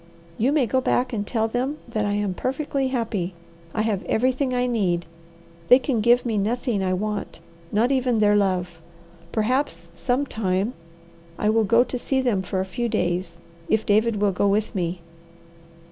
You may go back and tell them that I am perfectly happy. I have everything I need. They can give me nothing I want, not even their love. Perhaps, sometime, I will go to see them for a few days, if David will go with me."